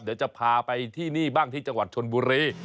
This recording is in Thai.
เดี๋ยวจะพาไปที่นี่บ้างที่จังหวัดชนบุรี